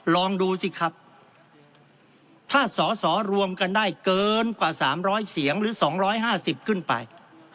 ลองดูสิครับถ้าสอสอรวมกันได้เกินกว่าสามร้อยเสียงหรือสองร้อยห้าสิบขึ้นไป